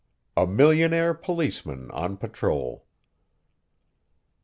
A MILLIONAIRE POLICEMAN ON PATROL.